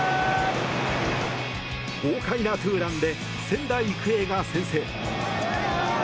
豪快なツーランで仙台育英が先制。